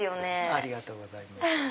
ありがとうございます。